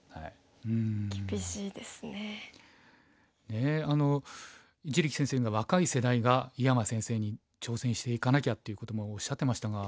ねえ一力先生が若い世代が井山先生に挑戦していかなきゃっていうこともおっしゃってましたが。